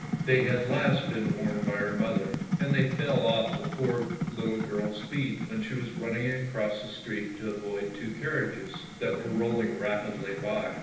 They had last been worn by her mother, and they fell off the poor little girl's feet when she was running across the street to avoid two carriages that were rolling rapidly by.